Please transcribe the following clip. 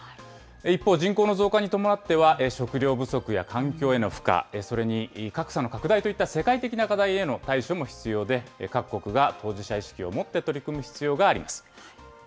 一方、人口の増加に伴っては、食料不足や環境への負荷、それに格差の拡大といった世界的な課題への対処も必要で、各国が当事者意識を持って取り組む必要があります。